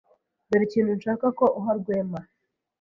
Dore ikintu nshaka ko uha Rwema.